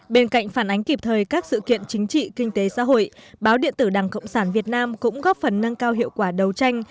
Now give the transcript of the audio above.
bên cạnh phản ánh kịp thời các sự kiện chính trị kinh tế xã hội báo điện tử đảng cộng sản việt nam cũng góp phần nâng cao hiệu quả đấu tranh